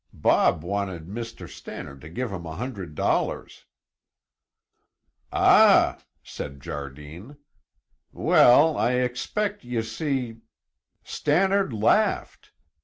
Bob wanted Mr. Stannard to give him a hundred dollars." "Ah!" said Jardine. "Weel, I expect ye see " "Stannard laughed.